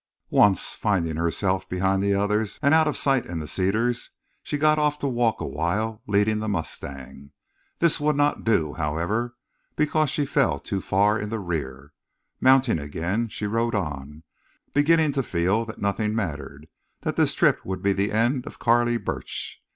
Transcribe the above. Once, finding herself behind the others and out of sight in the cedars, she got off to walk awhile, leading the mustang. This would not do, however, because she fell too far in the rear. Mounting again, she rode on, beginning to feel that nothing mattered, that this trip would be the end of Carley Burch.